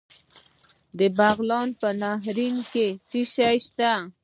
د بغلان په نهرین کې څه شی شته؟